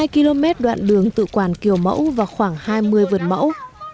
một mươi km đoạn đường tự quản kiểu mẫu và khoảng hai mươi vườn mẫu